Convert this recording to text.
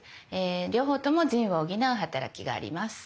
両方とも腎を補う働きがあります。